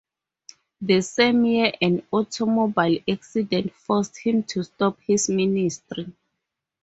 The same year an automobile accident forced him to stop his ministry.